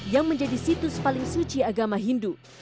yang menjadi situs paling suci agama hindu